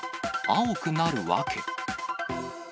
青くなる訳。